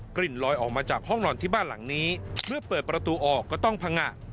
กลิ่นลอยออกมาจากห้องนอนที่บ้านหลังนี้เมื่อเปิดประตูออกก็ต้องพังงะ